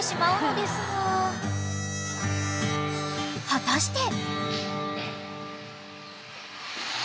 ［果たして］